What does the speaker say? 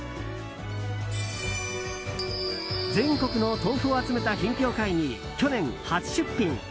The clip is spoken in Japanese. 全国の豆腐を集めた品評会に去年、初出品。